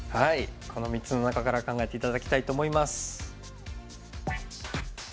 この３つの中から考えて頂きたいと思います。